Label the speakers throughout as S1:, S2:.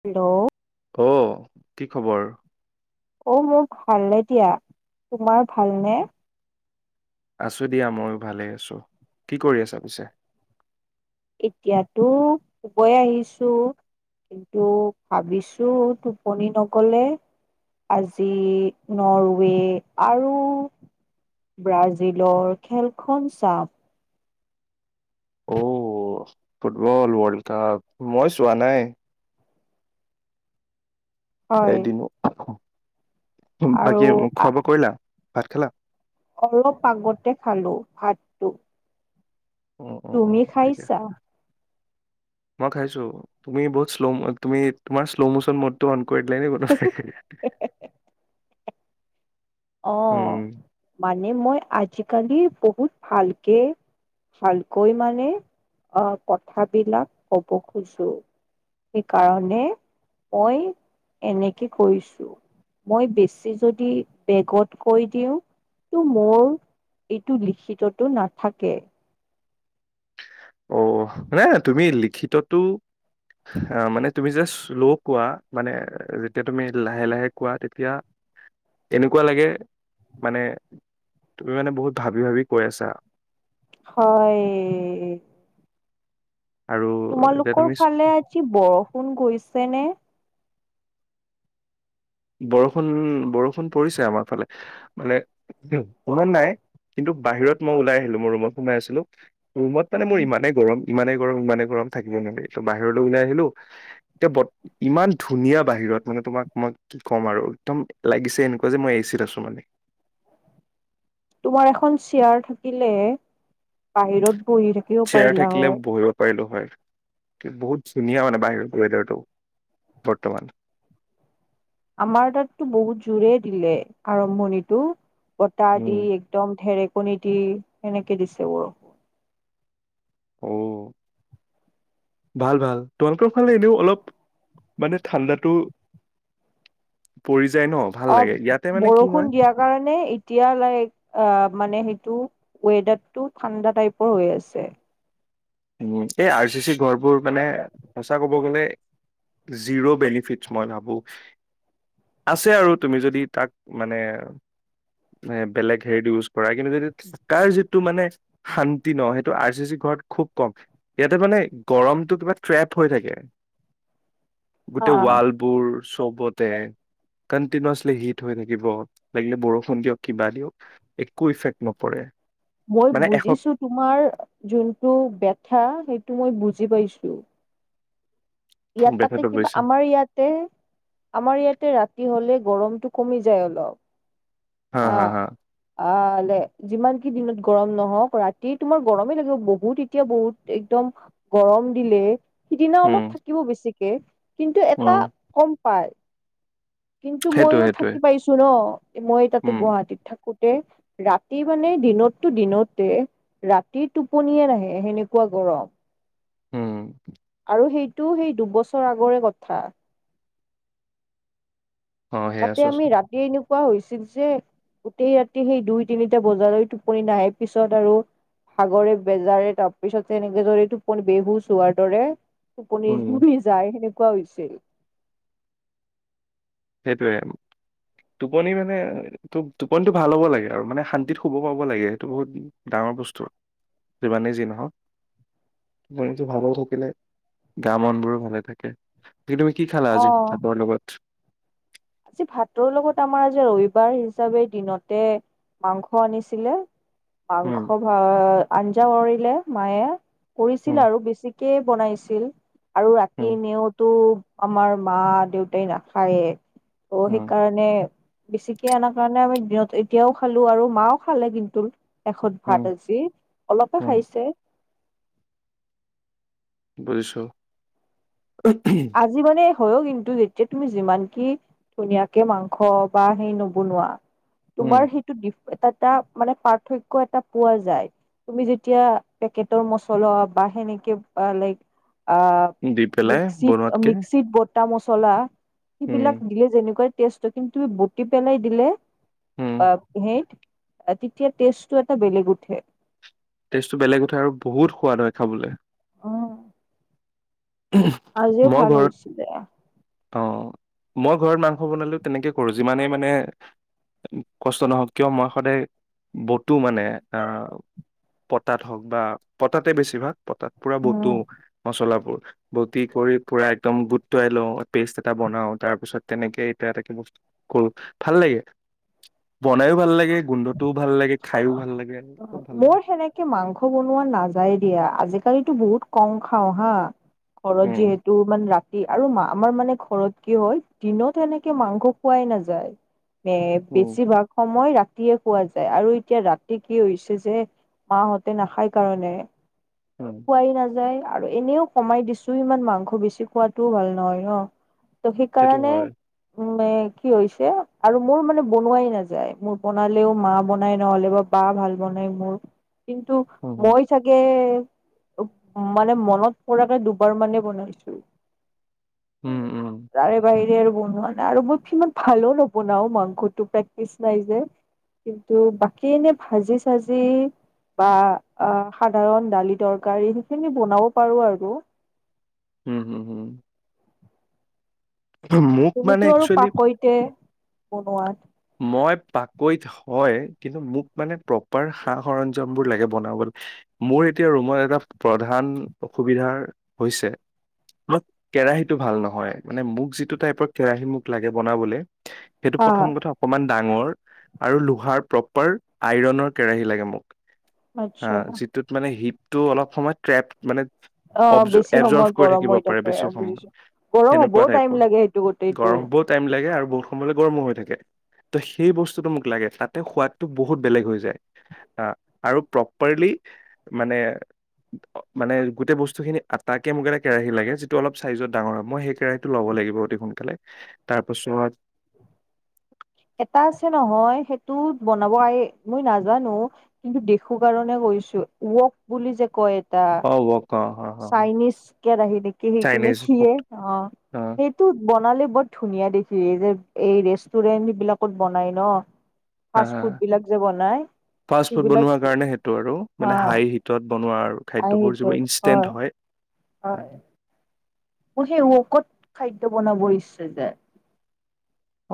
S1: Hello?
S2: অ' কি খবৰ?
S1: অ' মোক ভালনে দিয়া তোমাৰ ভালনে?
S2: আছো দিয়া ময়ো ভালেই আছো, কি কৰি আছা পিছে?
S1: এতিয়াতো শুবৈ আহিছো। কিন্তু ভাবিছো টোপনি নগলে আজি নৰৱে আৰু ব্ৰাজিলৰ খেলখন চাম।
S2: অ ফুটবল ৱৰ্ল্ড কাপ মই চোৱা নাই।
S1: হয়
S2: এদিনো।
S1: আৰু
S2: বাকী খোৱা বোৱা কৰিলা ভাত খালা?
S1: অলপ আগতে খালোঁ ভাতটো।
S2: অ অ অ
S1: তুমি
S2: ঠিকে
S1: খাইছা?
S2: মই খাইছো তুমি বহুত শ্ল তুমি তোমাৰ শ্ল' মচন মটো কৰি দিল নেকী
S1: অ' মানে মই আজিকালি বহুত ভালকে ভালকৈ মানে আহ কথাবিলাক কব খোজো। সেইকাৰণে মই এনেকে কৰিছো মই বেছি যদি বেগত কৈ দিওঁ ত' মোৰ এইটো লিখিততো নাথাকে।
S2: অ' নে তুমি লিখিততো আহ মানে তুমি যেতিয়া শ্ল' কোৱা মানে যেতিয়া তুমি লাহে লাহে কোৱা তেতিয়া এনেকুৱা লাগে মানে তুমি মানে বহুত ভাবি ভাবি কৈ আছা।
S1: হয়।
S2: আৰু এতিয়া
S1: তোমালোকৰ
S2: তুমি
S1: ফালে আজি বৰষুণ গৈছে নে?
S2: বৰষুণ বৰষুণ পৰিছে আমাৰ ফালে মানে শনত নাই। কিন্তু বাহিৰত মই ওলাই আহিলো মই ৰুমত সোমাই আছিলো। ৰুমত মানে মোৰ ইমানেইে গৰম ইমানে গৰম ইমানে গৰম থাকিব নোৱাৰাগে ত' বাহিৰলৈ ওলাই আহিলো। এতিয়া ইমান ধুনীয়া বাহিৰত মানে তোমাক মই কি ক'ম আৰু একদম লাগিছে এনেকুৱা যে মই এচিত আছো মানে।
S1: তোমাৰ এখন চেয়াৰ থাকিলে বাহিৰত বহি থাকিব
S2: চেয়াৰ
S1: পাৰিলা
S2: থাকিলে
S1: হয়।
S2: বহিব পাৰিলো হয়। বহুত ধুনীয়া মানে বাহিৰত ৱেডাৰটো বৰ্তমান।
S1: আমাৰ তাততো বহুত জোৰে দিলে আৰম্ভণিটো। বটাহ দি
S2: উম
S1: একদম ঢেৰেকণী দি সেনেকে দিছে বৰষুন।
S2: অ' ভাল ভাল তোমালোকৰ ফালে এনেও অলপ মানে ঠাণ্ডাটো পৰি যায় ন ভাল
S1: অ'
S2: লাগে ইয়াতে মানে কি হয়
S1: বৰষুণ দিয়াৰ কাৰণে এতিয়া লাইক অ' মানে সেইটো ৱেডাৰটো ঠাণ্ডা টাইপৰ হৈ আছে।
S2: উম, এই আৰ চি চি ঘৰবোৰ মানে সঁচা ক'ব গলে জিৰ' বেনিফিটছ মই ভাবোঁ। আছে আৰু তুমি যদি তাক মানে এ বেলেগ হেৰি ইউজ কৰা কিন্তু যদিাৰ যিটো মানে শান্তি ন সেইটো আৰ চি চি ঘৰত খুব কম ইয়াতে মানে গৰমটো কিবা ট্ৰেপ হৈ থাকে। গোটেই ৱালবোৰ চবতে। কণ্টিনচলি হিট হৈ থাকিব লাগিলে বৰষুণ দিয়ক কিবা দিয়ক একো ইফেক্ট নপৰে।
S1: মই
S2: মানে এশ
S1: বুজিছো তোমাৰ যোন টো বেথা সেইটো মই বুজি পাইছো। ইয়াত তাতে
S2: দেখাটো
S1: কিবা
S2: গৈছে
S1: আমাৰ ইয়াতে আমাৰ ইয়াতে ৰাতি হলে গৰমটো কমি যায় অলপ
S2: হা
S1: আ,
S2: হা হা
S1: আ, যিমান কি দিনত গৰম নহওক ৰাতি তোমাৰ গৰমেই লাগিব বহুত এতিয়া বহুত একদম গৰম দিলে সিদিনা
S2: উম
S1: অলপ থাকিব বেছিকে কিন্তু এটা
S2: উম
S1: কম পায় কিন্তু
S2: সেইটোৱে
S1: ময়ো
S2: সেইটোৱে
S1: থাকি পাইছো ন' মই তাতে
S2: উম
S1: গুৱাহাটীত থাকোতে ৰাতি মানে দিনততো দিনতে ৰাতি টোপনিয়ে নাহে সেনেকুৱা গৰম।
S2: উম,
S1: আৰু সেইটো সেই দুবছৰ আগৰে কথা।
S2: অ সেয়া
S1: তাতে আমি
S2: চোৱাচোন
S1: ৰাতি এনেও কোৱা হৈছিল যে গোটেই ৰাতি সেই দুই তিনিটা বজালৈ টোপনি নাহে পিছত আৰু সাগৰে বেজাৰে তাৰপিছত তেনেকে ধৰে টোপ বিহু চোৱাৰ দৰে টোপনি
S2: উম,
S1: ঘূৰি যায় সেনেকুৱা হৈছিল।
S2: সেইটোৱে টোপনি মানে ত' টোপনিটো ভাল হ'ব লাগে আৰু মানে শান্তিত শুব পাব লাগে সেইটো বহুত দাম বস্তু, যিমানেই যি নহওক। টোপনিটো ভাল হৈ থাকিলে গা মন বোৰো ভালে থাকে। তুমি কি খালা
S1: অ
S2: আজি ভাতৰ লগত?
S1: আজি ভাতৰ লগত আমাৰ আজি ৰবিবাৰ হিচাপে দিনতে মাংস আনিছিলে
S2: উম
S1: মাংস ভ' আঞ্জা কৰিৰিলে মায়ে কৰিছিল
S2: উম
S1: আৰু বেছিক কে বনাইছিল আৰু
S2: উম
S1: ৰাতি এনেইতো আমাৰ মা দেউতাই নাখায় ত'
S2: উম
S1: সেইকাৰণে বেছিকে আনা কাৰণে আমি দিনত এতিয়াও খালো আৰু মাও খালে কিন্তু এষত
S2: উম
S1: ভাত আজি অলপে
S2: উম
S1: খাইছে
S2: বুজিছোঁ
S1: আজি মানে হয় কিন্তু যেতিয়া তুমি যিমান কি ধুনীয়াকে মাংস বা সেই নবনোৱা
S2: উম
S1: তোমাৰ সেইটো এটা এটা মানে পাৰ্থক্য এটা পোৱা যায়। তুমি যেতিয়া পেকেটৰ মচলা বা সেনেকে লাইক আ,
S2: দি পেলাই
S1: মিক্সিত
S2: বনোৱাতকে
S1: মিক্সিত বটা মছলা
S2: উম
S1: সিবিলাক দিলে যেনে তেনেকৈ টেষ্টটো কিন্তু বুটি পেলাই দিলে
S2: উম
S1: অ, হেইত তেতিয়া টেষ্টটো এটা বেলেগ উঠে।
S2: টেষ্টটো বেলেগ উঠে আৰু বহুত সোৱাদ হয় খাবলৈ।
S1: উম, আজিও ভাল হৈ হৈছিলে
S2: অ', মই ঘৰত মাংস বনালেও তেনেকে কৰো যিমানেই মানে কষ্ট নহওক কিয় মই সদায় বতো মানে আ, পতাত হওক বা পতাতে বেছিভাগ পতাত পুৰা
S1: উম,
S2: বতু মচলাবোৰ বতি কৰি পুৰা একদম বুটুৱাই লওঁ পেষ্ট এটা বনাও তাৰ পিছত তেনেকে এটো এটা কে বস্তু কল ভাল লাগে বনাইও ভাল লাগে গোন্ধটোও ভাল লাগে খাইও ভাল লাগে চব ভাল
S1: মোৰ
S2: লাগে
S1: সেনেকে মাংস বনোৱা নাযায় দিয়া আজি কালিতো বহুত কম খাওঁ হা ঘৰত
S2: উম
S1: যিহেতু মানে ৰা আৰু আমাৰ মানে ঘৰত কি হয় দিনত সনেকে মাংস খোৱাই নাযায়। এ
S2: উম
S1: বেছিভাগ সময় ৰা ৰাতিয়ে খোৱা যায় আৰু এতিয়া ৰাতি কি হৈছে যে মাহঁতে নাখাই কাৰণে
S2: উম
S1: খোৱাই নাযায়। আৰু এনেও কমাই দিছো ইমান মাংস বেছি খোৱাতটোও ভাল নহয় ন। ত
S2: সেইটো
S1: সেইকাৰণে।
S2: হয়
S1: মানে কি হৈছে আৰু মোৰ মানে বনোৱাই নাযায় মোৰ বনালেও মা বনাই নহ'লে বা বা ভাল বনাই মোৰ কিন্তু
S2: উম
S1: মই চাগে। মানে মনত পৰাকে দুবাৰ মানে বনাইছো।
S2: উম উম উম
S1: তাৰে বাহিৰে আৰু। বনোৱা নাই আৰু মই সিমান ভালো নবনাও মাংসটো প্ৰেক্টিচ নাই যে। কিন্তু বাকী এনে ভাজি-চাজি বা আহ সাধাৰণ দালিত। তৰকাৰী সেইখিনি বনাব পাৰো আৰু।
S2: হম', হম, হয়, মানে
S1: তুমিতো আৰু
S2: একচুৱেলি
S1: পাকৈতে বনোৱাত।
S2: মই পাকৈত হয় কিন্তু মোক মানে প্ৰপাৰ সা সৰঞ্জাম বোৰ লাগে বনাবলৈ। মোৰ এতিয়া ৰুমত এটা প্ৰধান অসুবিধাৰ হৈছে। মোক, কেৰাহীটো ভাল নহয় মানে মোক যিটো টাইপৰ কেৰাহী মোক লাগে বনাবলে। সেইটো
S1: হা
S2: প্ৰথম কথা। অকমান ডাঙৰ আৰু লোহাৰ প্ৰপাৰ আইৰনৰ কেৰাহী লাগে মোক। হা, যিটোত মানে হিপটো অলপ সময় ট্ৰেপ মানে
S1: অ
S2: অব,
S1: বেছি
S2: এবজৰ্ভ
S1: সময়
S2: কৰি
S1: গৰম
S2: থাকিব
S1: হৈ
S2: পাৰে
S1: থাকে
S2: বেছি
S1: অ
S2: সময়।
S1: বুজিছো গৰম
S2: সেনেকুৱা
S1: হ'বও টাইম
S2: টাইপৰ
S1: লাগে সেইটো গোটেইটো
S2: গৰম হ, বুত টাইম লাগে আৰু বহুত সময়লৈ গৰমো হৈ থাকে। ত, সেই বস্তুটো মোক লাগে তাতে সোৱাদটো বহুত বেলেগ হৈ যায়। আহ, আৰু প্ৰপাৰলি মানে। অ', মানে গোটেই বস্তু খিনি আটাকে মোক এটা কেৰাহী লাগে যিটো অলপ চাইজত ডাঙৰ হয় মই সেই কেৰাহীটো লগত লাগিব অতি সোনকালে তাৰপাছত।
S1: এটা আছে নহয় সেইটো বনাব মই নাজানো কিন্তু দেখো কাৰণে। কৈছো, উৱৰক বুলি যে কয়। এটা
S2: অ', উৱৰক।
S1: চাইনিজ কে আহি নেকি সেইটো
S2: চাইনিজ
S1: নেখিয়ে
S2: ফুড
S1: অ
S2: অ
S1: সেইটো বনালে। বহুত ধুনীয়া দেখি এই যে এই ৰেষ্টুৰেণ্ট বিলাকত বনাই ন।
S2: হা
S1: ফাষ্ট
S2: হা
S1: ফুড বিলাক যে বনাই।
S2: ফাষ্ট ফুড
S1: সেইবিলাক
S2: বনোৱাৰ কাৰণে সেইটো আৰু
S1: হা
S2: মানে হাই হিটত বনোৱা আৰু। খাদ্যবোৰ যিবোৰ ইনষ্টেণ্ট হয় হয়।
S1: মোৰ সেই উৱৰক ত, খাদ্য বনাব ইচ্ছা যে।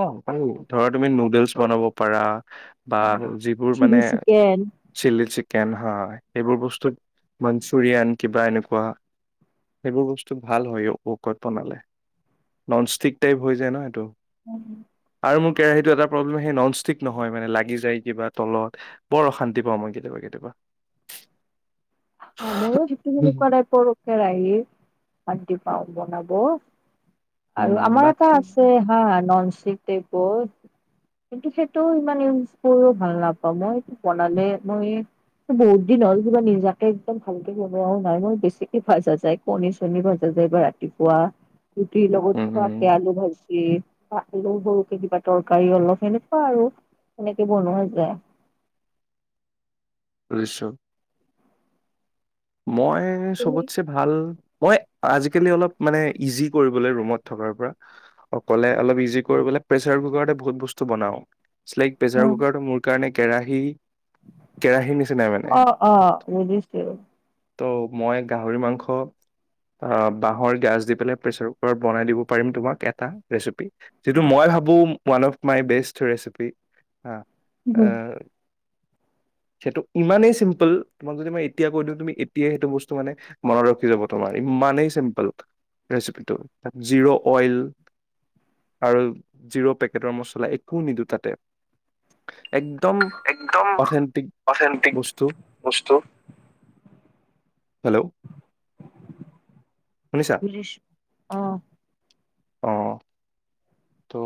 S2: অ', পাৰি ধৰা তুমি নুডলছ বনাব পাৰা। বা যিবোৰ
S1: চিলি
S2: মানে
S1: চিকেন
S2: চিলি কেনহা এই বোৰ বস্তুত মঞ্চুৰিয়ান কিবা এনেকুৱা। সেইবোৰ বস্তু ভাল হয় বুকত বনালে নন ষ্টিক টাইপ হৈ যায় ন এইটো।
S1: উম',
S2: আৰু মোৰ কেৰাহীতটো এটা প্ৰব্লেম সেই নন ষ্টিক নহয়, মানে লাগি যায় কিবা তলত বৰ অশান্তি পা মই কেতিয়াবা, কেতিয়াবা। [unintelligible]
S1: [unintelligible] শান্তি পাওঁ বনাব আৰু
S2: উম,
S1: আমাৰ এটা
S2: বাকী
S1: আছে হা নন [unintelligible] কিন্তু সেইটো ইমান ইউজ কৰিও ভাল নাপাওঁ মই সটো বনালে মই। বহুত দিন হ'ল কিবা নিজাক একদম ভালকে বনেও নাই মই বেছিকে ভাজা যায় কণী- চনী ভাজা যায় বা ৰাতিপুৱা। ৰুটি লগত
S2: উম,
S1: খোৱা
S2: উম,
S1: পিয়াঁজৰ ভাজ। এ, আলু তৰকাৰী অলপ সেনেকুৱা আৰু। এনেকে বনোয়া যায়।
S2: বুজিছোঁ। মই
S1: তুমি
S2: চবতছে, ভাল। মই আজিকালি অলপ মানে ইজি কৰিবলৈ ৰুমত থকাৰ পৰা অকলে অলপ ইজি কৰিবলৈ প্ৰেচাৰ কুকাৰতে বহুত বস্তু বনাও চাই প্ৰেচাৰ
S1: উম,
S2: কুকাৰতো মোৰ কাৰণে কেৰাহী কেৰাহীৰ নিচিনাই মানে
S1: অ অ বুজিছো
S2: ত' মই গাহৰি মাংস বাঁহৰ গছ দি পেলাই প্ৰেচাৰ কুকাৰত বনাই দিব পাৰিম তোমাক এটা ৰেচিপি যিটো মই ভাবো, one of my best recipe হ সেইটো ইমানেই চিম্পুল তোমাক যদি মই এতিয়া কৈ দিওঁ তুমি এতিয়াই সেইটো বস্তু মানে মনত ৰখি যাব তোমাৰ ইমানেই চিম্পুল ৰেচিপিটো তাত জিৰ' অইল। আৰু জিৰ' পেকেটৰ মছলা একো নিদিওঁ তাতে। একদম
S1: একদম
S2: অথেটিক
S1: অথেন্টিক
S2: বস্তু।
S1: বস্তু
S2: হেল্ল'? শুনিছা
S1: গ, আহ
S2: অ'। ত'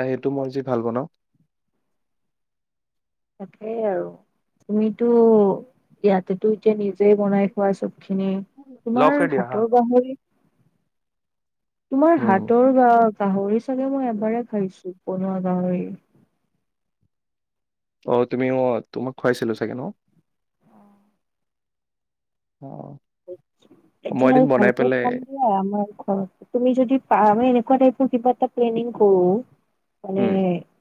S2: এ সেইটো মই আ যি ভাল বনাওঁ
S1: তাকেই আৰু তুমিতো ইয়াতেতো এতিয়া নিজে বনাই খোৱা চ'ব। খিনি তোমাৰ
S2: লকে দিয়া হা
S1: হাতৰ গাহৰি তোমাৰ হাতৰ বা গাহৰি চাগে মই
S2: উম
S1: এবাৰে খাইছো বনোৱা গাহৰি
S2: আহ, তুমিও তোমাক খুৱাইছিলো চাগে ন। [inaudible]
S1: এ, আৰু
S2: এদিন বনাই
S1: ভালকৈ
S2: পেলাই
S1: খাম দিয়া আমাৰ ঘৰত তুমি যদি আমি এনেকুৱা টাইপৰ কিবা এটা প্লেনিং কৰো মানে
S2: উম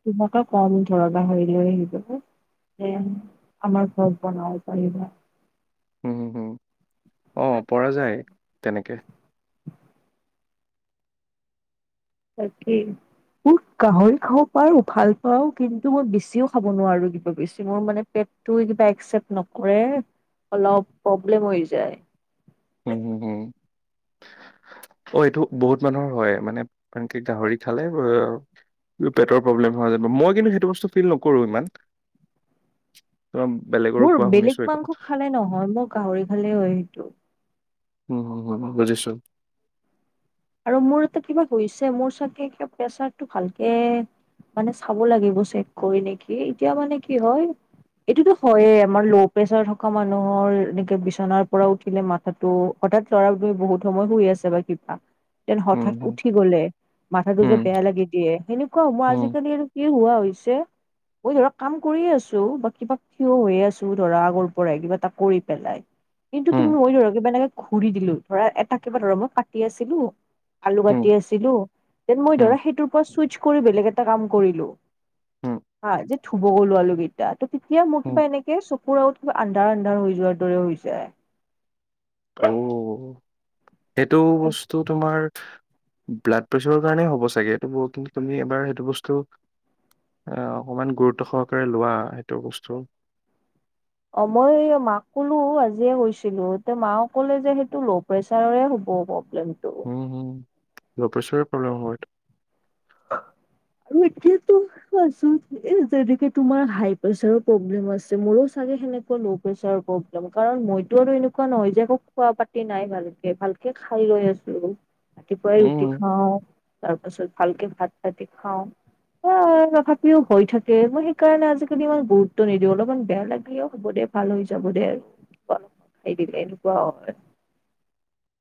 S1: তোমাক কম ধৰাহৰি লৈ আহি যাব। স আমাৰ ঘৰত বন পাৰিব
S2: হুম হুম হুম অ, পৰা যায় তেনেকে।
S1: তাকেই'। মোৰ গাহৰি খাব পাৰ উখাল পাও, কিন্তু মই বেছিও খাব নোৱাৰো কিবা বেছি মোৰ মানে পেট ত, কিবা একচেপ্ট নকৰে অলপ প্ৰব্লেম হৈ যায়।
S2: হম, হম, হম। অ, এইটো বহুত মানুহৰ হয় মানে আনকি গাহৰি খালে। পেটৰ প্ৰব্লেম হোৱা যেন নাই কিন্তু সেইটো বস্তু ফিল নকৰো ইমান তোমাৰ বেলেগৰো
S1: মোৰ
S2: কোৱা
S1: বেলেগ
S2: শুনিছো এই
S1: মাংস
S2: কথাটো
S1: খালে নহয় মোৰ গাহৰি খালেই হয় সেইটো
S2: উম, হম হ বুজিছো'।
S1: আৰু মোৰ এতে কিবা হৈছে মোৰ চাগে কিব প্ৰেচাৰটো ভালকে মানে চাব লাগিব চেক কৰি নেকি এতিয়া মানে কি হয়'। এইটোতো হয়য়ে আমাৰ ল' প্ৰেচাৰ থকা মানুহৰ এনেকে বিচনাৰ পৰা উঠিলে মাথাটো। হঠাৎ লৰা তি বহুত সময় শুই আছে বা কিবা। যেন
S2: উম
S1: হঠাৎ
S2: হুম
S1: উঠি গলে মাথাটো যে
S2: উম
S1: বেয়া লাগি দিয়ে সেনে কোৱা মই
S2: হুম
S1: আজিকালি আৰু কি হোৱা হৈছে'। মই ধৰা কাম কৰিয়ে আছো বা কিবা থিয় হৈয়ে আছো ধৰা আগৰ পৰাই কিবা এটা কৰি পেলাই। কিন্তু
S2: হুম
S1: তুমি মই ধৰক কিবা এনেকে ঘূৰি দিলো, ধৰা এটা কিবা ধৰাক মই পাতি আছিলোঁ? আলু
S2: হুম
S1: কাটি আছিলোঁ। দেন মই
S2: হুম
S1: ধৰা সেইটোৰ পৰা চুইচ কৰি বেলেগ এটা কাম কৰিলোঁ।।
S2: হুম
S1: হ, যে থুব গলো আলু কেইতটা ত তেতিয়া মোৰ
S2: হুম
S1: কিবা এনেকে চকুৰ আগত কিবা আন্ধাৰ-আন্ধাৰ হৈ যোৱা দৰে হৈছে।
S2: আহ'। সেইটো বস্তু তোমাৰ ব্লাড প্ৰেছাৰৰ কাৰণেই হ'ব চাগে এইটো কিন্তু তুমি এবাৰ সেইটো বস্তু অকমান গুৰুত্ব সহকাৰে লোৱা সেইটো বস্তু।
S1: অ, মই মাক কলো আজিয়ে গৈছিলো এ মাক কলে যে সেইটো ল' প্ৰেচাৰৰেুবিধ [inaudible]
S2: উম হম, লপেছৰে প্ৰব্লেম হাত
S1: আৰু এতিয়া কোৱাচোন যেন তোমাৰ হাই প্ৰোৰলেছে ম সেনেকুৱা ল' প্ৰেচাৰ প্ৰব্লেম কাৰণ মইতো আৰু এনেকুৱা নহয় যে একৌ খোৱা পাতি নাই ভালকে- ভালকে খাই লৈ আছো, ৰাতিপুৱাই ৰুটি
S2: উম।
S1: খাওঁ, তাৰ পাছত ভালকে ভাত পতি খাওঁ। অ', তাথাপিও হৈ থাকে মই সেইকাৰণে আজিকালি ইমান গুৰুত্ব নিদিওঁ অলপমান বেয়া লাগিলেও হ'ব দে। ভাল হৈ যাব দে, দিলে এনেকুৱাও হয়।
S2: [inaudible]